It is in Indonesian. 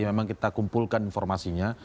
memang kita kumpulkan informasinya